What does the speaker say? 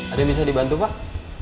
ada yang bisa dibantu pak